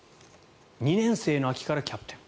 ２年生の秋からキャプテン。